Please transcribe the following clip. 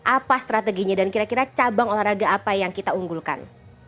apa strateginya dan kira kira cabang olahraga apa yang kita unggulkan